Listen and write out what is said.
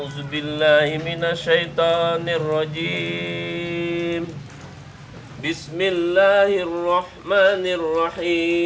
tarik napas yang banyak